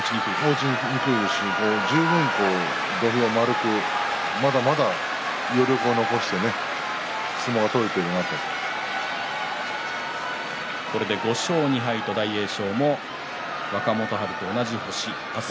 落ちにくいですし十分に土俵を円くまだまだ５勝２敗と大栄翔も若元春と同じ星です。